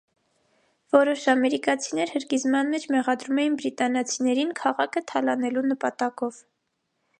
Որոշ ամերիկացիներ հրկիզման մեջ մեղադրում էին բրիտանացիներին քաղաքը թալանելու նպատակով։